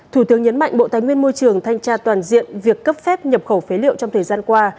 thủ tướng nhấn mạnh bộ tài nguyên môi trường thanh tra toàn diện việc cấp phép nhập khẩu phế liệu trong thời gian qua